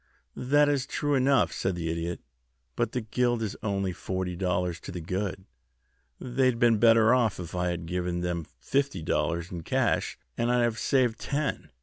"That is true enough," said the Idiot; "but the guild is only forty dollars to the good. They'd have been better off if I had given them fifty dollars in cash, and I'd have saved ten."